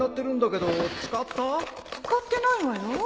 使ってないわよ